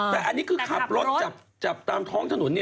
แต่อันนี้คือขับรถจับตามท้องถนน